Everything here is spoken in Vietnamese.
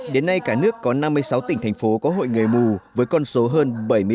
đến nay cả nước có năm mươi sáu tỉnh thành phố có hội người mù với con số hơn bảy mươi ba năm trăm linh